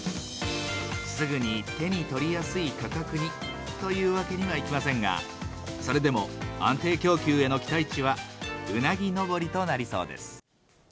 すぐに手に取りやすい価格にというわけにはいきませんが、それでも安定供給への期待値はうなぎのぼりとなりそうです。